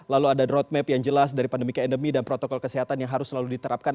lalu ada roadmap yang jelas dari pandemi ke endemi dan protokol kesehatan yang harus selalu diterapkan